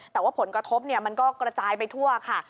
แต่ว่าผลกระทบมันก็กระจายไปทั่วค่ะ